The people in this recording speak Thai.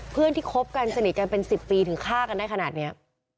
เพื่อนที่คบกันสนิทกันเป็น๑๐ปีถึงฆ่ากันได้ขนาดนี้